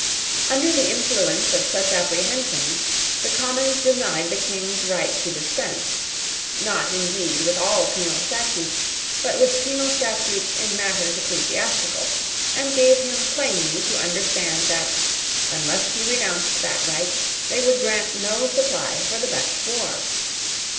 Under the influence of such apprehensions, the Commons denied the King's right to dispense, not indeed with all penal statutes, but with penal statutes in matters ecclesiastical, and gave him plainly to understand that, unless he renounced that right, they would grant no supply for the Dutch war.